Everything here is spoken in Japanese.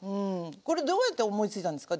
これどうやって思いついたんですか？